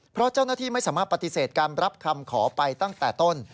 เพราะเจ้าหน้าที่ไม่สามารถปฏิเสธการรับคำขอไปตั้งแต่ต้น